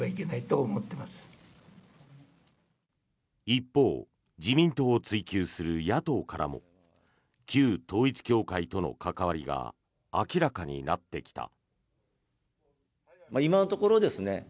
一方、自民党を追及する野党からも旧統一教会との関わりが明らかになってきた。